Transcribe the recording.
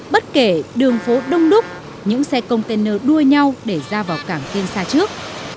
bất kể đường phố đông đúc những xe container đua nhau để ra vào cảng tiên xa trước